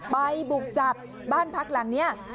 ไปบุกจับบ้านพักหลังเนี่ย